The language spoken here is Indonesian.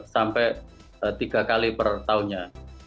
sampai tiga kali per tahunnya